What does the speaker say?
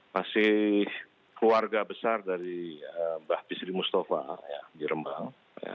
masih keluarga besar dari mbah bisri mustafa di rembang